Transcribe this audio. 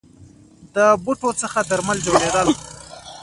د بوټو څخه درمل جوړیدل